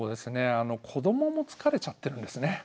あの子どもも疲れちゃってるんですね。